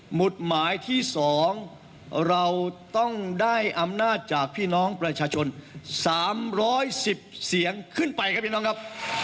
หุดหมายที่๒เราต้องได้อำนาจจากพี่น้องประชาชน๓๑๐เสียงขึ้นไปครับพี่น้องครับ